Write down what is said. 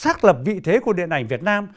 xác lập vị thế của điện ảnh việt nam